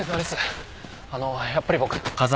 あのやっぱり僕。